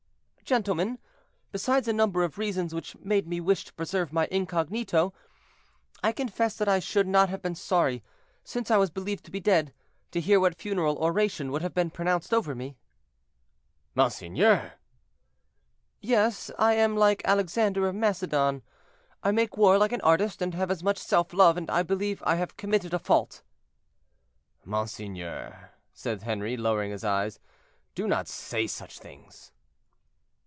"Gentlemen, besides a number of reasons which made me wish to preserve my incognito, I confess that I should not have been sorry, since I was believed to be dead, to hear what funeral oration would have been pronounced over me." "Monseigneur!" "Yes; I am like Alexander of Macedon; I make war like an artist, and have as much self love; and I believe I have committed a fault." "Monseigneur," said Henri, lowering his eyes, "do not say such things."